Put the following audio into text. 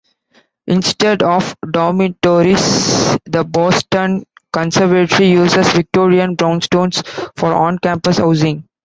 Instead of dormitories, The Boston Conservatory uses Victorian brownstones for on-campus housing.